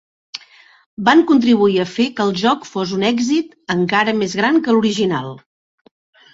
Van contribuir a fer que el joc fos un èxit encara més gran que l'original.